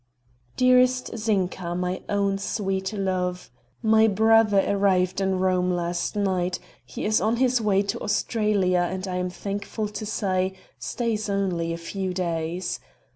"Dearest Zinka, my own sweet little love, "My brother arrived in Rome last night; he is on his way to Australia and I am thankful to say stays only a few days.